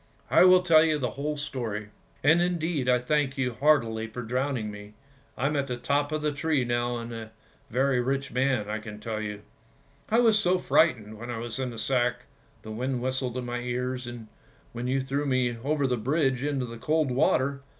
" I will tell you the whole story, and indeed I thank you heartily for drowning me, I'm at the top of the tree now and a very rich man, I can GREAT CLAUS AND LITTLE CLAUS 155 tell you. I was so frightened when I was in the sack, the wind whistled in my ears when you threw me over the bridge into the cold water.